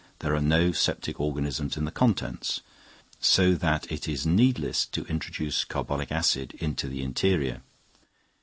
], there are no septic organisms in the contents, so that it is needless to introduce carbolic acid into the interior.